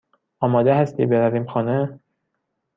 آماده هستی برویم خانه؟